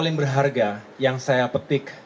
paling berharga yang saya petik